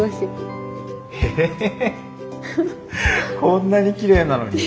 こんなにきれいなのに。